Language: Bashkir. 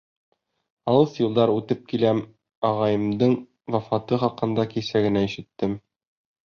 Алыҫ юлдар үтеп киләм, ағайымдың вафаты хаҡында кисә генә ишеттем.